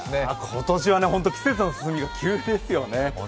今年は季節のスピードが急ですよね。